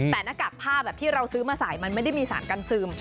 แต่หน้ากากผ้าแบบที่เราซื้อมาใส่มันไม่ได้มีสารกันซึม